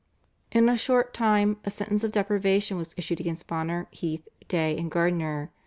In a short time a sentence of deprivation was issued against Bonner, Heath, Day and Gardiner.